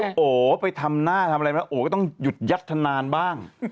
โอ้โหไปทำหน้าทำอะไรมาโอ้ก็ต้องหยุดยัดธนานบ้าง